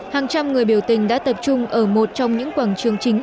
hàng trăm người biểu tình đã tập trung ở một trong những quảng trường chính